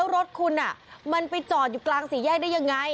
รถคุณมันไปจอดอยู่กลางสี่แยกได้ยังไง